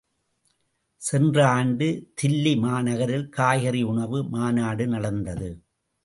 சென்ற ஆண்டு, தில்லி மாநகரில், காய்கறி உணவு மாநாடு நடந்தது.